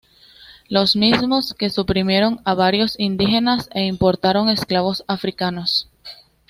Los mismos que suprimieron a varios indígenas e importaron esclavos africanos.